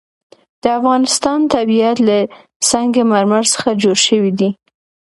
د افغانستان طبیعت له سنگ مرمر څخه جوړ شوی دی.